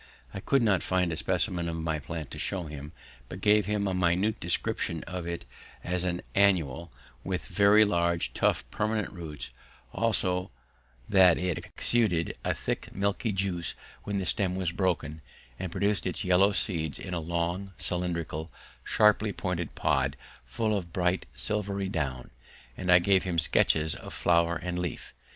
I could not find a specimen of my plant to show him, but gave him a minute description of it as an annual, with very large, tough, permanent roots, also that it exuded a thick milky juice when the stem was broken, and produced its yellow seeds in a long, cylindrical, sharply pointed pod full of bright silvery down, and I gave him sketches of flower and leaf.